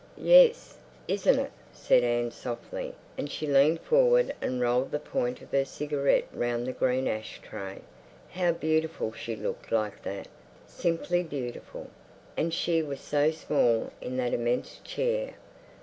"Yes—isn't it?" said Anne softly, and she leaned forward and rolled the point of her cigarette round the green ash tray. How beautiful she looked like that!—simply beautiful—and she was so small in that immense chair.